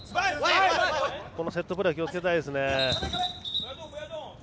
セットプレー気をつけたいですね。